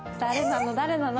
誰なの？